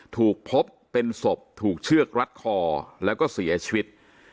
ถูกพบเป็นศพถูกเชือกรัดคอแล้วก็เสียชีวิต